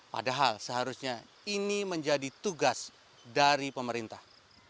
padahal seharusnya ini menjadi tugas dari pemerintah